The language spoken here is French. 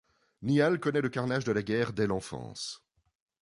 Nihal connaît le carnage de la guerre dès l'enfance.